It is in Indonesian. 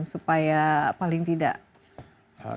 pak san supaya paling tidak memiliki pengalaman